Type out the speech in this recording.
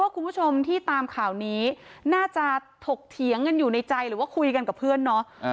คุณผู้ชมที่ตามข่าวนี้น่าจะถกเถียงกันอยู่ในใจหรือว่าคุยกันกับเพื่อนเนาะ